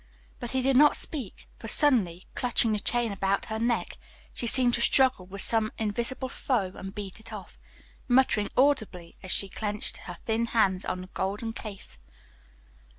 But he did not speak, for, suddenly clutching the chain about her neck, she seemed to struggle with some invisible foe and beat it off, muttering audibly as she clenched her thin hands on the golden case.